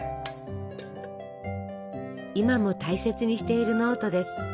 今も大切にしているノートです。